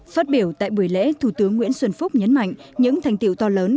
phát biểu tại buổi lễ thủ tướng nguyễn xuân phúc nhấn mạnh những thành tiệu to lớn